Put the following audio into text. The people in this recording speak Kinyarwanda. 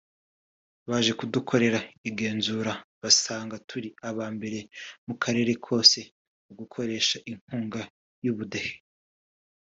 Baje kudukorera igenzura basanga turi aba mbere mu karere kose mu gukoresha inkunga y’Ubudehe